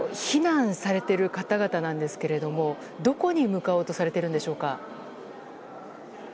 避難されている方々ですがどこに向かおうとされているんでしょうか？